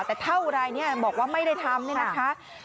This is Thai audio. แต่เท่าไรบอกว่าไม่ได้ทำนะคะ